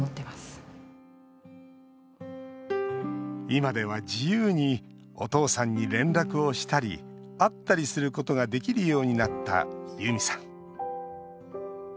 今では自由にお父さんに連絡をしたり会ったりすることができるようになった、ユミさん。